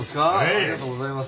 ありがとうございます。